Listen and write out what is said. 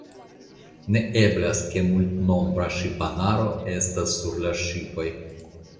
Ne eblas ke multnombra ŝipanaro estas sur la ŝipoj.